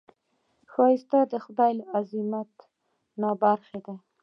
ښایست د خدای له عظمت نه برخه ده